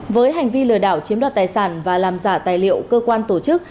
với hành vi lừa đảo chiếm đoạt tài sản và làm giả tài liệu cơ quan tổ chức